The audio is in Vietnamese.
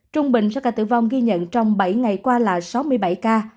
trung bình số ca tử vong ghi nhận trong bảy ngày qua là sáu mươi bảy ca